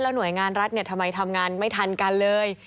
หน่วยงานรัฐทำไมทำงานไม่ทันกันเลย